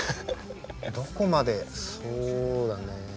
どこまでそうだね。